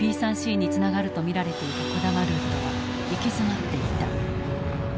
Ｐ３Ｃにつながると見られていた児玉ルートは行き詰まっていた。